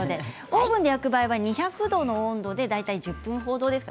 オーブンで焼く場合は２００度の温度で１０分程です。